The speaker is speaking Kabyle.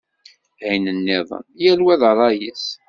Ayen-nniḍen, yal wa d ṛṛay-is.